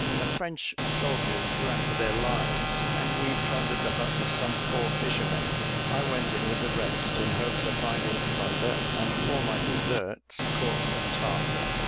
The French soldiers ran for their lives, and we plundered the huts of some poor fishermen. I went in with the rest, in hopes of finding plunder, and for my deserts caught a Tartar.